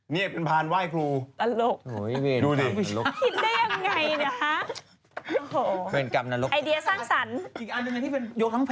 นี่ผมไว้ให้นูกัน